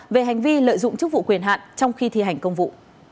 về hành vi lợi dụng chức vụ quyền hạn trong khi thi hành công vụ